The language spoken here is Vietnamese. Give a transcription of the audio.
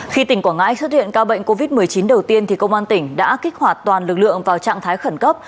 khi tỉnh quảng ngãi xuất hiện ca bệnh covid một mươi chín đầu tiên công an tỉnh đã kích hoạt toàn lực lượng vào trạng thái khẩn cấp